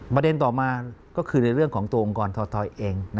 ประเด็นต่อมาก็คือในเรื่องของตัวองค์กรทอยเอง